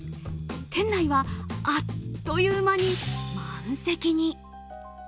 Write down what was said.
店内はあっという間に満席に。